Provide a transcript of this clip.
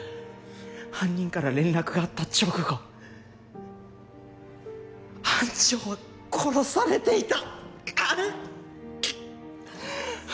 犯人から連絡があった直後班長は殺されていた！